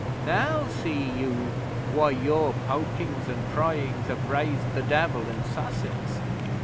Now see you why your pokings and pryings have raised the Devil in Sussex?